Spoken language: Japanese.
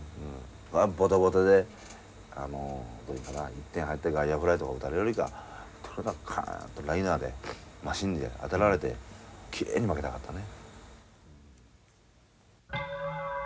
ボテボテで１点入って外野フライとか打たれるよりかとにかくカンっとライナーで真芯に当てられてきれいに負けたかったね。